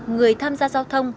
người tham gia giao thông